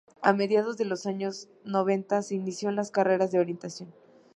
A mediados de los años noventa se inició en las carreras de orientación.